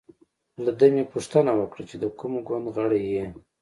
له ده مې پوښتنه وکړه چې د کوم ګوند غړی یې.